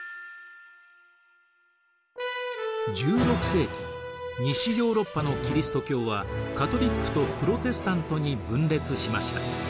１６世紀西ヨーロッパのキリスト教はカトリックとプロテスタントに分裂しました。